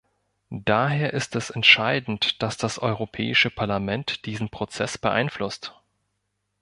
Daher ist es entscheidend, dass das Europäische Parlament diesen Prozess beeinflusst.